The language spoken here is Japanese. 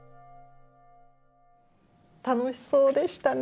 楽しそうでしたね。